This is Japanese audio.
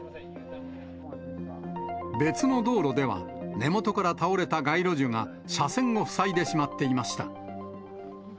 別の道路では、根元から倒れた街路樹が車線を塞いでしまっていました。